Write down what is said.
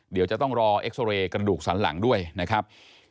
เดี๋ยวจะต้องรอเอ็กซอเรย์กระดูกสันหลังด้วยนะครับ